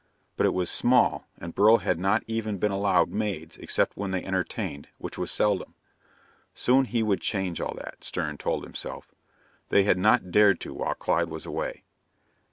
But it was small and Beryl had not even been allowed maids except when they entertained, which was seldom. Soon he would change all that, Stern told himself. They had not dared to while Clyde was away.